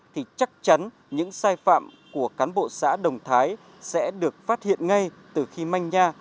thì chắc chắn những sai phạm của cán bộ xã đồng thái sẽ được phát hiện ngay từ khi manh nha